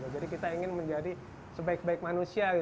jadi kita ingin menjadi sebaik baik manusia